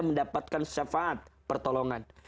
mendapatkan syafaat pertolongan